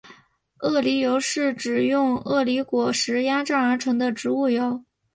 鳄梨油是指用鳄梨果实压榨而成的植物油。